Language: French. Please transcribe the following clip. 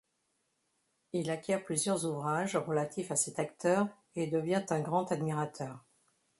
Il acquiert plusieurs ouvrages relatifs à cet acteur et devient un grand admirateur.